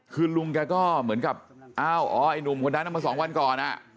คือลุงแกก็เหมือนกับอ้าวอ๋อไอ้หนุ่มคนนั้นมา๒วันก่อน